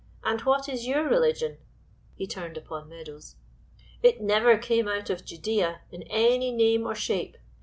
And what is your religion" (he turned upon Meadows)? "It never came out of Judea in any name or shape.